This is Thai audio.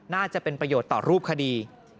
น่าจะเป็นประโยชน์ต่อรูปคดี